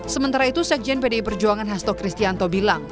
sementara itu sekjen pdi perjuangan hasto kristianto bilang